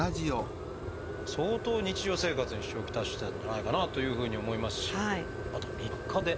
相当日常生活に支障を来してたんじゃないかなというふうに思いますしあと３日で。